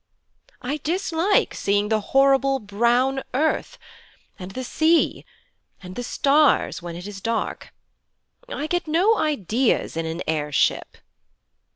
'I dislike seeing the horrible brown earth, and the sea, and the stars when it is dark. I get no ideas in an air ship.'